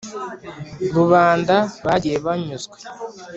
rubanda bagiye banyuzwe